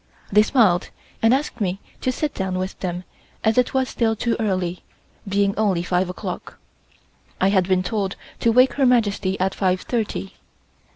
They smiled and asked me to sit down with them as it was still too early, being only five o'clock. I had been told to wake Her Majesty at five thirty.